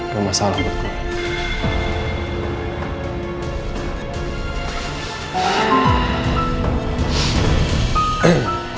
ga masalah buat gue